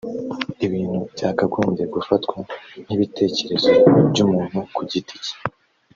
ibintu byakagombye gufatwa nk’ibitekerezo by’umuntu ku giti cye